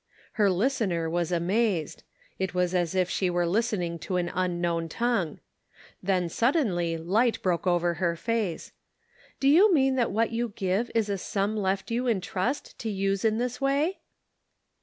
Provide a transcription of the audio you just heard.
Her listener looked amazed; it was as if she were listening to an unknown tongue. Then suddenly light broke over her face. " Do you mean that what you give is a sum left you in trust to use in this way?"